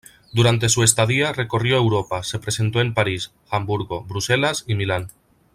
Durante su estadía recorrió Europa, se presentó en París, Hamburgo, Bruselas y Milán.